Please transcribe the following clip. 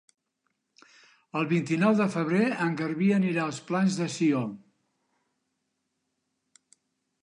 El vint-i-nou de febrer en Garbí anirà als Plans de Sió.